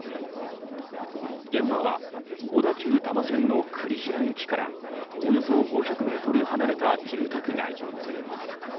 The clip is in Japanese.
現場は小田急多摩線の栗平駅からおよそ５００ｍ離れた住宅街。